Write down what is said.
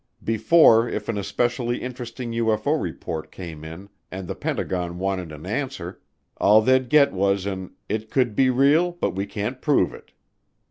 Before if an especially interesting UFO report came in and the Pentagon wanted an answer, all they'd get was an "It could be real but we can't prove it."